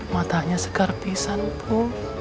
matanya segar pisanku